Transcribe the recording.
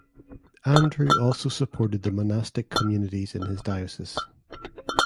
Andrew also supported the monastic communities in his diocese.